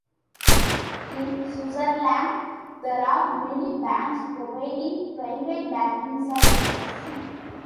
In Switzerland, there are many banks providing private banking services.